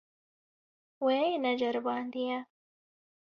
Wê neceribandiye.